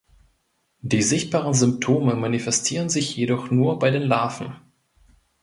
Diese sichtbaren Symptome manifestieren sich jedoch nur bei den Larven.